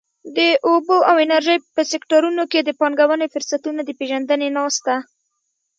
د اوبو او انرژۍ په سکټورونو کې د پانګونې فرصتونو د پېژندنې ناسته.